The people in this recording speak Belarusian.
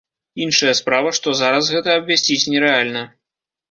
Іншая справа, што зараз гэта абвясціць нерэальна.